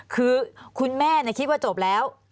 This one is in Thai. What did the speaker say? คือคุณแม่คิดว่าจบแล้ว